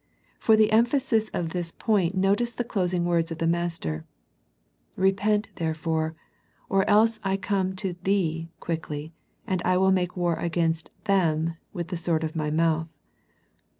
For the emphasis of this point notice the closing words of the Master, " Repent therefore ; or else I come to thee quickly, and I will make war against them with the sword of My mouth."